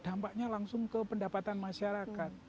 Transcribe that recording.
dampaknya langsung ke pendapatan masyarakat